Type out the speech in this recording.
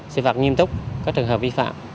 sử phạt nghiêm túc có trường hợp vi phạm